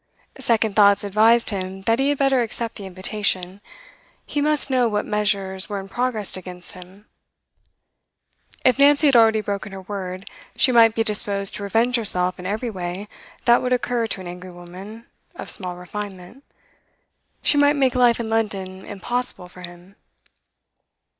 Second thoughts advised him that he had better accept the invitation. He must know what measures were in progress against him. If Nancy had already broken her word, she might be disposed to revenge herself in every way that would occur to an angry woman of small refinement; she might make life in London impossible for him.